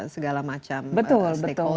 segala macam stakeholder ya